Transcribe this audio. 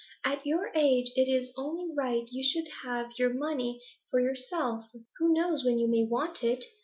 At your age it is only right you should have your money for yourself; who knows when you may want it?